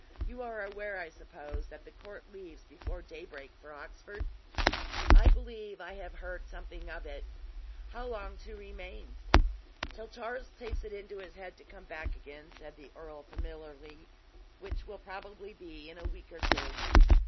You are aware, I suppose, that the court leaves before daybreak for Oxford." "I believe I have heard something of it how long to remain?" "Till Charles takes it into his head to come back again," said the earl, familiarly, "which will probably be in a week or two.